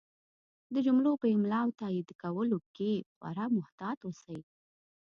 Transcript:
د جملو په املا او تایید کولو کې خورا محتاط اوسئ!